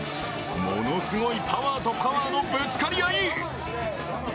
ものすごいパワーとパワーのぶつかり合い。